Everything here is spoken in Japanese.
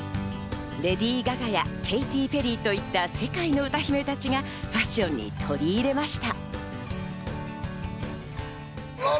レディー・ガガやケイティ・ペリーといった世界の歌姫たちがファッションに取り入れました。